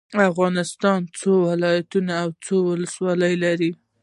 افغانستان څو ولايتونه او څو ولسوالي لري؟